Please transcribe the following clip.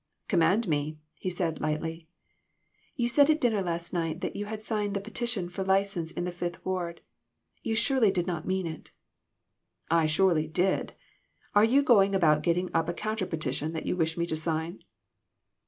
"Command me," he said, lightly. "You said at dinner last night that you had signed the petition for license in the Fifth Ward. You surely did not mean it." " I surely did. Are you going about getting up a counter petition that you wish me to sign